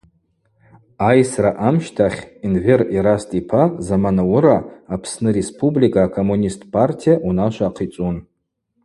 Айсра амщтахь Энвер Ераст йпа заман ауыра Апсны Республика акоммунист партия унашва ахъицӏун.